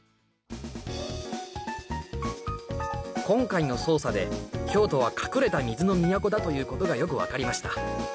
今回の捜査で京都は隠れた水の都だということがよく分かりました